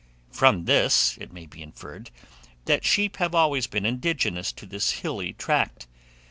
From this, it may be inferred that sheep have always been indigenous to this hilly tract.